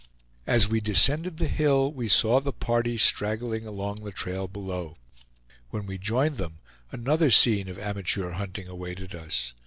As we descended the hill we saw the party straggling along the trail below. When we joined them, another scene of amateur hunting awaited us.